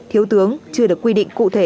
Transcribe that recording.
thiếu tướng chưa được quy định cụ thể